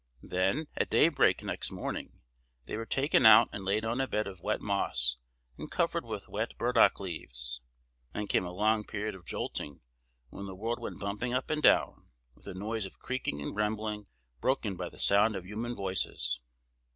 Then, at daybreak next morning they were taken out and laid on a bed of wet moss and covered with wet burdock leaves. Then came a long period of jolting, when the world went bumping up and down with a noise of creaking and rumbling, broken by the sound of human voices.